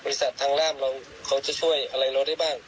บริษัทรังราบเขาจะช่วยมาทำประโยชน์อะไรรอได้บ้าง